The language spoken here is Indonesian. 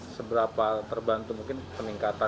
seberapa terbantu mungkin peningkatannya